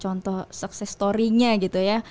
contoh sukses storynya gitu ya